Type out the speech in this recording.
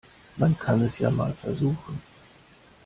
Man kann es ja mal versuchen.